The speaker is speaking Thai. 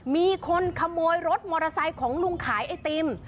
มีคนขโมยรถมอเตอร์ไซค์ของลุงขายไอติม